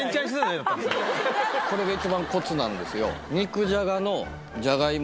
えこれが一番コツなんですよ